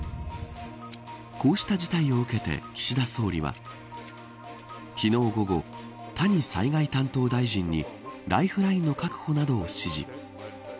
こうした事態を受けて岸田総理は昨日午後、谷災害担当大臣にライフラインの確保などを指示。